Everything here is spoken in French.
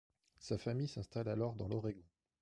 Sa famille s'installe alors dans l'Oregon.